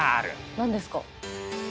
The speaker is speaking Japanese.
何ですか？